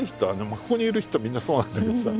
ここにいる人はみんなそうなんだけどさ。